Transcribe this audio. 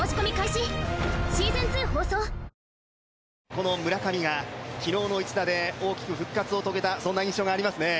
この村上が昨日の一打で大きく復活を遂げたそんな印象がありますね